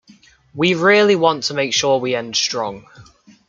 We really want to make sure we end strong.